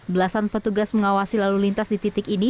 belasan petugas mengawasi lalu lintas di titik ini